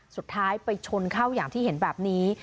สุดท้ายไปชนเข้าอย่างที่เห็นแบบนี้